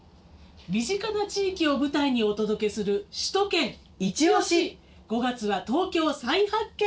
身近な地域を舞台にお届けする５月は東京再発見！